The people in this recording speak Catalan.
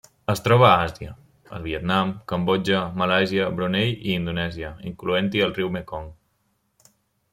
Es troba a Àsia: el Vietnam, Cambodja, Malàisia, Brunei i Indonèsia, incloent-hi el riu Mekong.